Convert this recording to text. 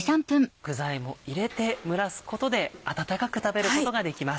具材も入れて蒸らすことで温かく食べることができます。